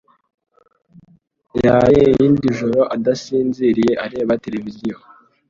Yaraye irindi joro adasinziriye areba televiziyo